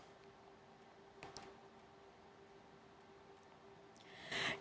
pemadaman kebakaran di jakarta barat tersebut terjadi di perumahan kebunan